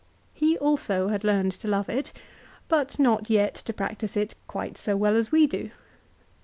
He also had learned to love it, but not yet to practise it quite so well as we do.